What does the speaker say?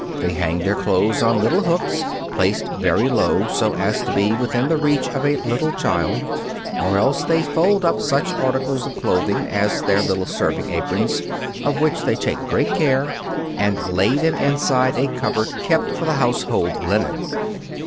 They hang their clothes on little hooks, placed very low so as to be within reach of a little child, or else they fold up such articles of clothing, as their little serving aprons, of which they take great care, and lay them inside a cupboard kept for the household linen.